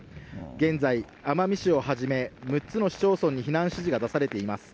現在、奄美市をはじめ、６つの市町村に避難指示が出されています。